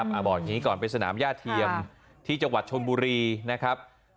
บอกอย่างนี้ก่อนเป็นสนามย่าเทียมที่จังหวัดชนบุรีนะครับ